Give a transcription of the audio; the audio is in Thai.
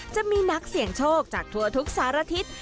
จะมีนักเสี่ยงโชคจากทั่วทุกสารทิศ